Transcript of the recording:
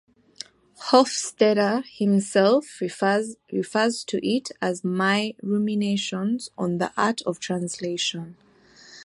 Hofstadter himself refers to it as "my ruminations on the art of translation".